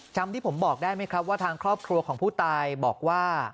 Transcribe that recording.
ที่ผมบอกได้ไหมครับว่าทางครอบครัวของผู้ตายบอกว่า